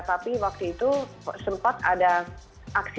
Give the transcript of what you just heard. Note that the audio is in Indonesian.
tapi waktu itu sempat ada aksi